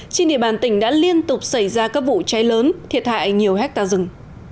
trên địa bàn tỉnh đã liên tục xảy ra các vụ cháy lớn thiệt hại nhiều hectare rừng